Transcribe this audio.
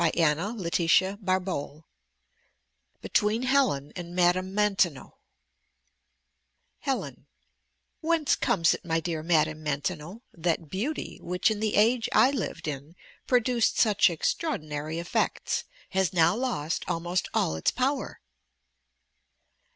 A DIALOGUE OF THE DEAD BETWEEN HELEN AND MADAME MAINTENON Helen Whence comes it, my dear Madame Maintenon, that beauty, which in the age I lived in produced such extraordinary effects, has now lost almost all its power?